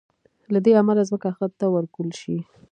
له دې امله ځمکه هغه ته ورکول شي.